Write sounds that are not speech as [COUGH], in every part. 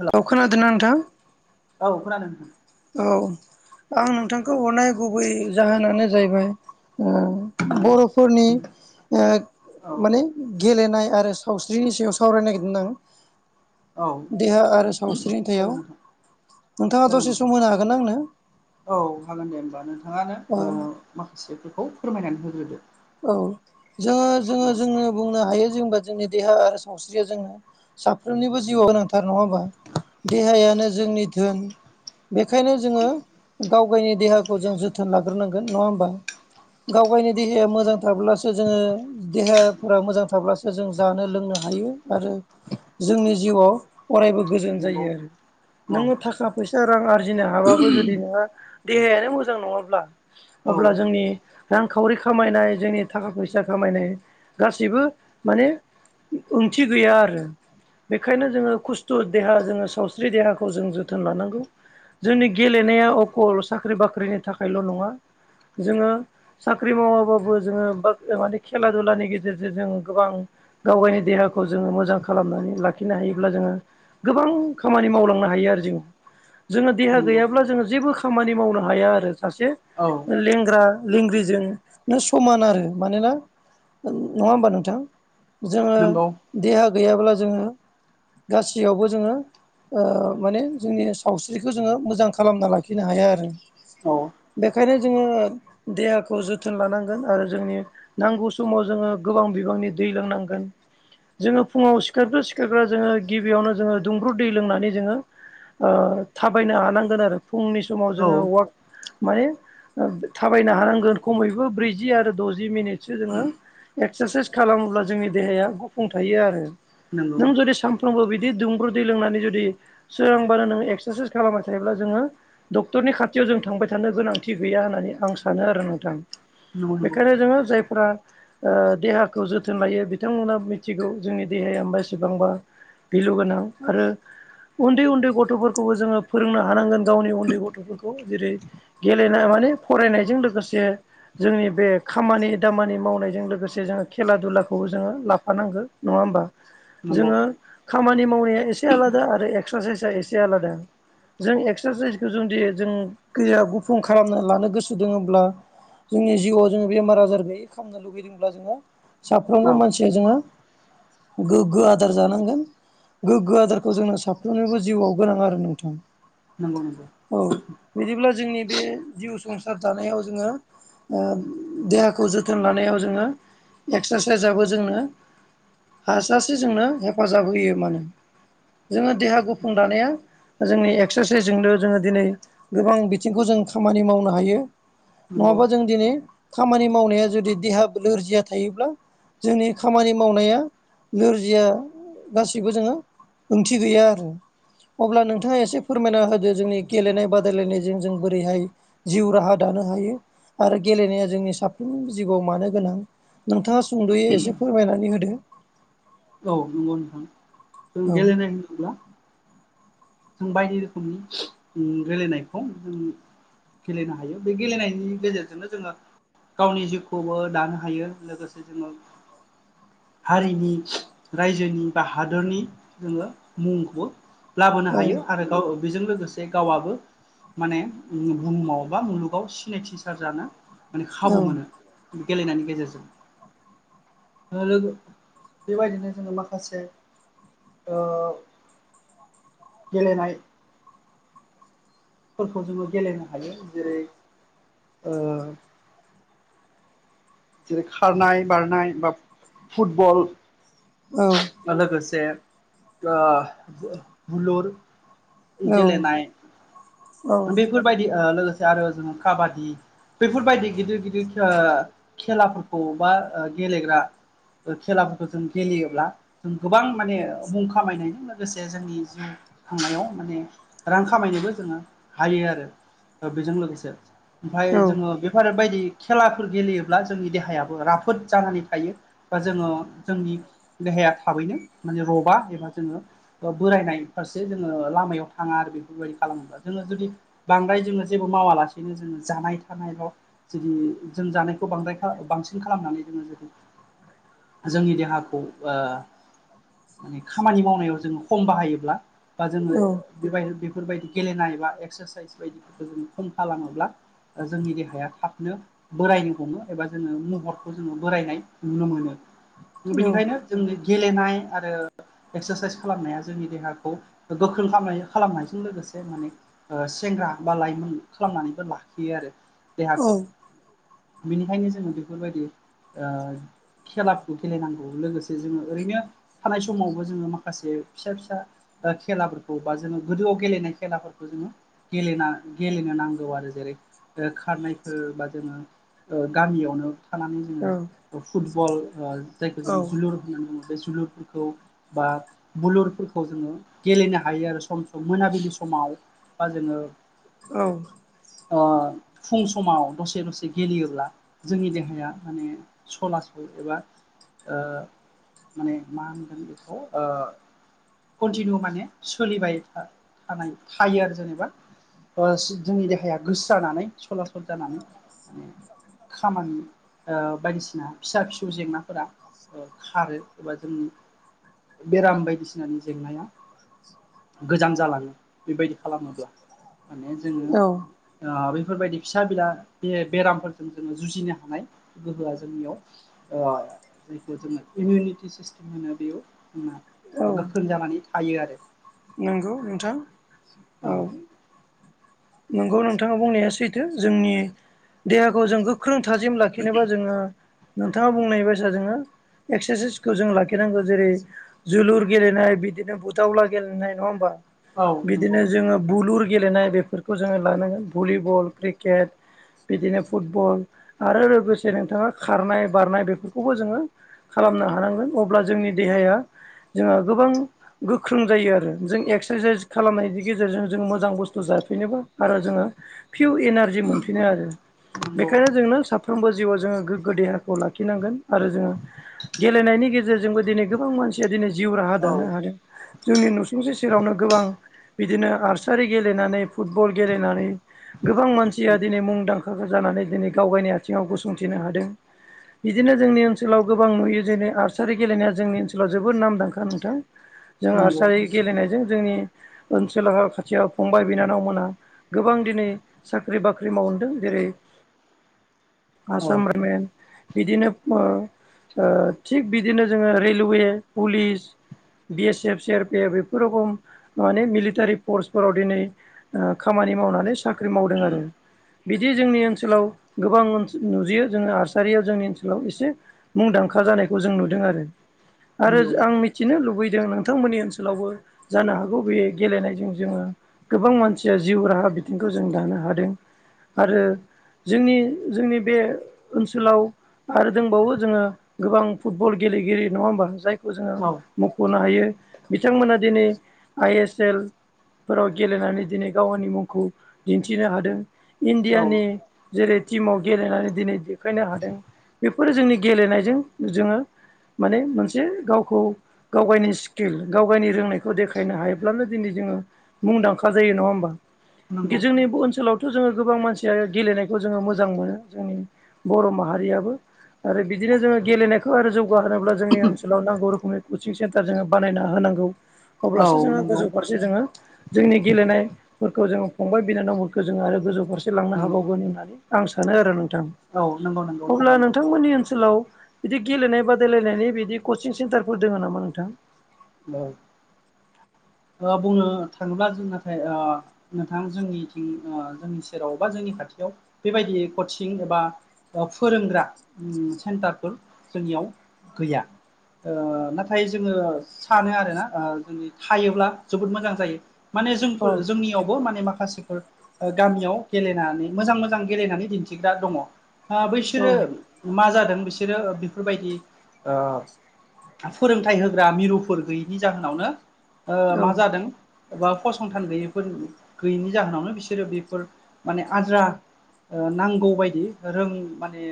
हेल' औ खोनादोंना नोंथां? औ खोनादों। औ आं नोंथांखौ हरनाय गुबै जाहोनानो जाहैबाय ओ बर'फोरनि ओ औ माने गेलेनाय आरो सावस्रिनि सायाव सावरायनो नागिरदों आं। औ देहा आरो सावस्रिनि जागोन सायाव नोंथां नोंथाङा जागोन दसे नोंथां सम होनो हागोन आंनो? औ हागोन दे। होमबा औ नोंथाङानो माखासेफोरखौ फोरमायनानै होग्रोदो। औ जोङो- औ जोङो जोंनो बुंनो हायो जेनबा जोंनि देहा आरो सावस्रिया जोंनो साफ्रोमनिबो जिउआव गोनांथार नङा होनबा देहायानो जोंनि धोन। बेखायनो जोङो गाव- गावनि देहाखौ जों जोथोन लाग्रोनांगोन नङा होमबा? गाव -गावनि देहाया [UNINTELLIGIBLE] मोजां थाब्लासो जोङो देहाफोरा मोजां थाब्लासो जों जानो लोंनो हायो आरो जोंनि जिउआव अरायबो गोजोन नंगौ जायो आरो औ नोङो थाखा फैसा रां आरजिनो हाबाबो जुदि नोंहा देहायानो मोजां नङाब्ला औ अब्ला जोंनि रांखावरि खामायनाय जोंनि थाखा फैसा खामायनाय गासिबो माने ओंथि गैया आरो। बेखायनो जोङो खस्थ देहा जोङो सावस्रि देहाखौ जों जोथोन लानांगौ। जोंनि गेलेनाया अखल साख्रि बाख्रिनि थाखायल' नङा। जोङो साख्रि मावाबाबो जोङो बा माने खेला दुलानि गेजेरजों जों गोबां गाव- गावनि देहाखौ जोङो मोजां खालामनानै लाखिनो हायोब्ला जोङो गोबां खामानि मावलांनो हायो आरो जों। जोङो देहा नंगौ गैयाब्ला जोङो जेबो खामानि मावनो हाया आरो सासे औ। लेंग्रा -लेंग्रिजों समान आरो मानोना नङा होमबा नोंथां? जोङो नंगौ देहा गैयाब्ला जोङो गासैयावबो जोङो माने जोंनि सावस्रिखौ जोङो मोजां खालामना लाखिनो हाया आरो। औ। बेखायनो जोङो देहाखौ जोथोन लानांगौ। आरो जोंनि नांगौ समाव जोङो गोबां बिबांनि दै लोंनांगोन। जोङो फुङाव सिखारग्रो सिखारग्रा जोङो गिबियावनो जोङो दुंब्रु दै लोंनानै जोङो थाबायनो हानांगोन आरो फुंनि समाव औ जोङो वाक माने थाबायनो हानांगोन खमैबो ब्रै -जि आरो द'जि मिनिटसो जोङो एक्सारसाइस खालामोब्ला जोंनि देहाया गुफुं थायो आरो। नंगौ नों जुदि सानफ्रोमबो बिदि दुंब्रु दै लोंनानै जुदि सोरांबानो नोङो एक्सारसाइस खालामबाय थायोब्ला जोङो डक्टरनि खाथियाव जों थांबाय थानो गोनांथि गैया होननानै आं सानो आरो नोंथां। नंगौ बेनिखायनो जोङो जाय [UNINTELLIGIBLE] आ देहाखौ जोथोन लायो बिथांमोना मिथिगौ जोंनि देहाया बेसेबांबा भेलु गोनां आरो उन्दै- उन्दै गथ'फोरखौबो जोङो फोरोंनो हानांगोन। गावनि उन्दै गथ'फोरखौ जेरै गेलेनो माने फरायनायजों लोगोसे जोंनि बे खामानि दामानि मावनायजों लोगोसे जोङो खेला दुलाखौबो जोङो लाफानांगौ नङा होमबा? नंगौ जोङो खामानि मावनाया एसे आलादा आरो एक्सारसाइसआ एसे आलादा। जों एक्सारसाइसखौ जुदि जोंनिया गुफुं खालामना लानो गोसो दोङोब्ला जोंनि जिउआव जोङो बेमार आजार गैयै खालामनो लुगैदोंब्ला जोङो नंगौ औ साफ्रोमबो मानसि जे जोङो गोग्गो आदार जानांगोन। गोग्गो आदारखौ जोंनो साफ्रोमनिबो जिउआव गोनां आरो नोंथां। नंगौ नंगौ। औ बिदिब्ला जोंनि बे जिउ संसार दानायाव आ जोङो देहाखौ जोथोन लानायाव जोङो एक्सारसाइसआबो जोंनो हासासे जोंनो हेफाजाब होयोब्लानो जोङो देहा गुफुं दानाया जोंनि एक्सारसाइसजोंनो' जोङो दिनै गोबां बिथिंखौ जों खामानि मावनो हायो। नंगौ नङाबा जों दिनै खामानि मावनाया जुदि देहा लोरजिया थायोब्ला जोंनि खामानि मावनाया नोरजिया गासिबो जोङो ओंथि गैया आरो। अब्ला नोंथाङा एसे फोरमायना होदो। जोंनि गेलेनाय बादायलायनायजों जों बोरैहाय जिउ राहा दानो हायो आरो गेलेनाया जोंनि साफ्रोमबो जिउआव मानो गोनां नोंथाङा सुंद'यै एसे फोरमायनानै होदो। औ नंगौ नोंथां। जों औ गेलेनाय होनोब्ला जों बायदि रोखोमनि गेलेनायखौ उम गेलेनो हायो। बे गेलेनायनि गेजेरजोंनो जोङो गावनि जिउखौबो दानो हायो। लोगोसे जोङो हारिनि रायजोनि बा हादरनि जोङो मुंखौबो लाबोनो औ हायो आरो गाव बेजों लोगोसे गावआबो माने बुहुमाव बा मुलुगाव सिनायथि सार जानो माने खाबु मोनो। गेलेनायनि गेजेरजों लोगो बे बायदिनो जोङो माखासे ओ गेलेनाय फोरखौ जोङो गेलेनो हायो। जेरै- जेरै- खारनाय बारनाय बा फुटबल औ। लोगोसे आ बुलुर गेलेनाय औ बेफोरबायदि आ लोगोसे आरो जों काबादि बेफोरबायदि गिदिर गिदिर आ खेलाफोरखौ बा गेलेग्रा खेलाफोरखौ जों गेलेयोब्ला जों गोबां माने खामायनायजों लोगोसे जोंनि जिउ थांनायाव माने रां खामायनोबो जोङो हायो आरो। बेजों लोगोसे ओमफ्राय औ जोङो नंगौ बेफोरारि बायदि खेलाफोर गेलेयोब्ला जोंनि देहायाबो राफोद जानानै थायो। बा जोङो जोंनि देहाया थाबैनो माने रबा एबा जोङो बोरायनाय फारसे जोङो लामायाव थाङा आरो बेफोरबायदि खालामोब्ला जोङो जुदि बांद्राय जोङो जेबो मावालासेनो जोङो जानाय थानायल' जुदि जों जानायखौ बांद्राय बांसिन खालामनानै जोङो। जेरै- जोंनि देहाखौ माने खामानि मावनायाव जोङो खम बाहायोब्ला बा जोङो बेबाय बेफोरबायदि गेलेनाय बा एक्सारसाइस बायदिफोरखौ जोङो खम खालामोब्ला जोंनि देहाया थाबनो बोरायनो हमो एबा जोङो महरखौ जोङो बोरायनाय नुनो मोनो। बेनिखायनो जोंनि गेलेनाय आरो एक्सारसाइस खालामनाया जोंनि देहाखौ गोख्रों खालाम खालामनायजों लोगोसे माने सेंग्रा बा लाइमोन खालामनानैबो लाखियो आरो देहाखौ बिनिखायनो जोङो बेफोरबायदि ओ खेलाफोरखौ गेलेनांगौ। लोगोसे जोङो ओरैनो थानाय समावबो जोङो माखासे फिसा फिसा खेलाफोरखौ बा जोङो गोदोआव गेलेनाय खेलाफोरखौ जोङो गेले गेलेनो नांगौ आरो जेरै खारनायफोर बा जोङो गामियावनो थानानै जोङो फुटबल जायखौ जोङो जोलुर बे जोलुरफोरखौ बा बुलुरफोरखौ जोङो गेलेनो हायो आरो सम सम मोनाबिलि समाव। बा जोङो औ। अ फुं समाव दसे दसे गेलेयोब्ला जोंनि देहाया माने सलासल एबा ओ माने मा होनगोन बेखौ ओ कन्टिनिउ माने सोलिबाय था-थानाय। थायो आरो जेनेबा जोंनि ओ देहाया गोस्रानानै सलासल जानानै माने खामानि ओ बायदिसिना फिसा फिसौ जेंना। फोरा ओ खारो एबा जोंनि बेराम बायदिसिनानि जेंनाया गोजान जालाङो बेबायदि खालामोब्ला माने जोङो ओ बेफोरबायदि फिसा बिला बे बेरामफोरजों जोङो जुजिनो हानाय गोहोआ जोंनियाव ओ जायखौ जोङो इमिउनिटि सिस्टेम होनो बेयो गोख्रों जानानै थायो आरो। नोंगौ नोंथां। औ। नंगौ नोंथाङा बुंनाया सैथो जोंनि देहाखौ जों गोख्रों थाजिम ला खिनोबा जोङो नोंथाङा बुंनाय बायसा जोङो एक्सारसाइसखौ जों लाखिनांगौ जेरै जोलुर गेलेनाय बिदिनो बुथावला गेलेनाय नङा होनबा औ बिदिनो नंगौ जोङो बुलुर गेलेनाय बे फोरखौ जोङो लानांगोन भलिबल, क्रिकेट बिदिनो फुटबल आरो लोगोसे नोंथाङा खारनाय बारनाय बेफोरखौबो जोङो खालामनो हानांगोन अब्ला जोंनि देहाया जोंहा गोबां गो ख्रों जायो आरो जों एक्सारसाइस खालामनायनि गेजेरजों जों मोजां बुस्थु जाफैनोब आरो जोङो पियर एनारजि मोनफिनो आरो। नंगौ बेखायनो जोंनो सा फ्रोमबो जिउआव जोङो गोगो देहाखौ लाखिनांगोन आरो जोङो गेलेनायनि गेजेरजोंबो दिनै गोबां मानसिया दिनै जिउ राहा दानो औ हादों। जोंनि नुसुंसे सेरावनो गोबां बिदिनो आर्सारि गेलेनानै फुटबल गेलेनानै गोबां मानसिया दिनै मुंदांखा जानानै दिनै गावगायनि आयथिङाव गसंथिनो हादों। बिदिनो जोंनि ओनसोलाव गोबां नुयो जेरै आर्सारि गेलेनाया जोंनि ओनसोलाव जोबोद नामदांखा नोंथां। जों आरसारि गेलेनायजों जोंनि ओनसोल खाथियाव फंबाय बिनानाव मोनहा गोबां दिनै साख्रि बाख्रि मावहैदों जेरै आसाम [UNINTELLIGIBLE] बिदिनो ओ ओ थिग बिदिनो जोङो railway police B S F C R P F बेफोरावबो माने मिलिटारि फर्सफोराव दिनै ओ खामानि मावनानै साख्रि मावदों आरो। बिदि जोंनि ओनसोलाव गोबां नुजियो जोङो आर्सारिया जोंनि ओनसोलाव एसे मुंदांखा जानायखौ जों नुदों आरो आरो नंगौ आं मिथिनो लुबैदों नों थां मोननि ओनसोलावबो जानो हागौ बे गेलेनायजों जोङो गोबां मानसिया जिउ राहा बिथिंखौ जों दानो हादों आरो जोंनि जोंनि बे ओनसोलाव आरो दोंबावो जोङो गोबां फुटबल गेलेगिरि नङा होमबा जाय खौ जोङो औ मख'नो हायो बिथांमोना दिनै आइ एस एल फोराव गेलेनानै दिनै गावनि मुंखौ दिन्थिनो हादों नंगौ औ इण्डियानि जेरै टिमाव गेलेनानै दिनै देखायनो हादों बेफोरो जोंनि गेलेनायजों जोङो माने मोनसे गावखौ गावगायनि किल गावगायनि रोंनायखौ देखायनो हायोब्लानो दिनै जोङो मुंदांखा जायो नङा होमबा? दि नंगौ जोंनि ब ओनसोलाव थ' जोङो गोबां मानसियानो गेलेनायखौ जोङो मोजां मोनो जोंनि बर' माहारियाबो। आरो बिदिनो जोङो गेलेनाय खो आरो जौगाहोनोब्ला जोंनि ओनसोलाव नांगौ रोखोमनि कचिं सेन्टार जोङो बानायना होनांगौ। औ अब्लासो नंगौ गोजौ फारसे जोङो जोंनि गेलेनायफोरखौ जोङो फंबाय बिनानावफोरखौ जोङो आरो गोजौ फारसे सोलांनो नंगौ हाबावगोन होननानै आं सानो आरो नोंथां औ नंगौ नंगौ अब्ला थारैनो नोंथांमोननि ओनसोलाव बिदि गेलेनाय बादायलायनायनि बिदि कचिं सेन्टारफोर दङ नामा नोंथां? औ बुंनो थाङोब्ला जों नाथाय ओ नोंथां जोंनिथिं ओ जोंनि सेराव बा जोंनि खाथियाव बेबायदि कचिं एबा फोरोंग्रा सेन्टारफोर जोंनियाव गैया। ओ नाथाय जोङो सानो आरोना जोंनि थायोब्ला जोबोद मोजां जायो। माने औ जोंफोर जोंनियावबो माने माखासे गामियाव गेलेनानै मोजां मोजां गेलेनानै दिन्थिग्रा दङ। आ औ बैसोरो मा जादों बिसोरो बेफोरबायदि ओ फोरोंथाइ होग्रा मिरु गुुर गैयैनि जाहोनावनो ओ औ मा जादों। बा फसंथान गैयैफोर गैयिनि जाहोनावनो बिसोरो बेफोर माने आद्रा नांगौ बदि रों माने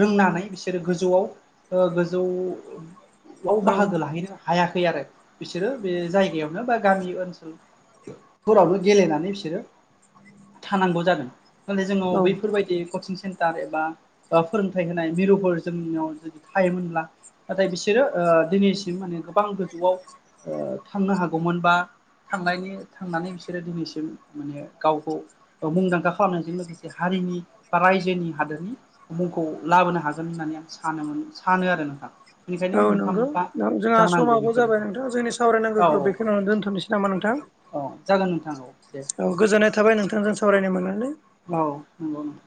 रोंनानै बिसोरो गोजौआव गोजौआव औ बाहागो ला थाहैनो हायाखै आरो बिसोरो बे जायगायावनो बा गामि ओनसोल फोरावनो गेलेनानै बिसोरो थानांगौ जादों। नाथाय जोंनाव औ बैफोरबायदि कचिं सेन्टा एबा ओ फोरोंथाय होनाय मिरुफोर जोंनियाव थायोमोनब्ला नाथाय बिसोरो ओ दिनैसिम माने गोबां गोजौआव थांनो हागौमोन बा थांनायनि थांनानै बिसोरो दिनैसिम माने गावखौ मुंदांखा खालामनायजों लोगोसे हारिनि बा रायजोनि हादोरनि मुंखौ लाबोनो हागोन होननानै आं सानोम सानो आरो नोंथां। बेनिखायनो औ मोनफा नांगौ। मोनफा जोंहा जानांगौ समाब बेफोरो जाबाय नोंथां जोंनि औ सावरायनांगौखौ बेखौनानै दोनथ'नोसै नामा नोंथां? औ जागोन नोंथां औ दे। गोजोन्नाय थाबाय नोंथांजों सावरायनो मोननानै। औ नंगौ नोंथां।